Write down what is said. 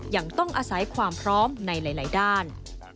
ยังต้องอาศัยความพร้อมในหลายด้าน